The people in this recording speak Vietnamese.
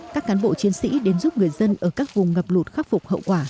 các cán bộ chiến sĩ đến giúp người dân ở các vùng ngập lụt khắc phục hậu quả